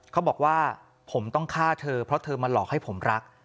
เขาบอกว่าผมต้องฆ่าเธอเพราะเธอมาหลอกให้ผมรัก